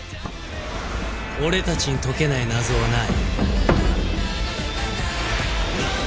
俺たちに解けない謎はない。